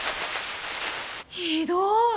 ひどい。